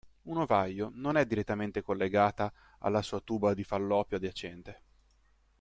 Un ovaio non è direttamente collegata alla sua tuba di Falloppio adiacente.